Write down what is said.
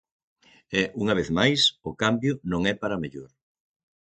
E, unha vez máis, o cambio non é para mellor.